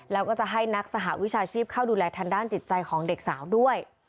แล้วก็จะให้นักสหวิชาชีพเข้าดูแลทางด้านจิตใจของเด็กสาวด้วย